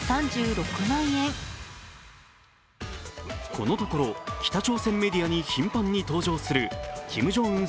このところ、北朝鮮メディアに頻繁に登場するキム・ジョンウン